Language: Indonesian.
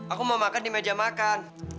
aku mau makan di meja makan